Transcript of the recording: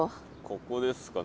ここですか。